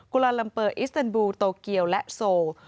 ลาลัมเปอร์อิสเตนบูโตเกียวและโซ